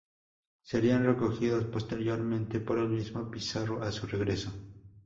Serían recogidos posteriormente por el mismo Pizarro, a su regreso.